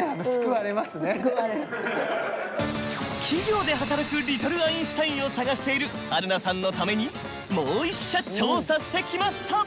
企業で働くリトル・アインシュタインを探している春菜さんのためにもう一社調査してきました！